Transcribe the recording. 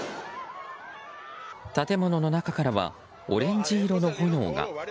建物の中からはオレンジ色の炎が。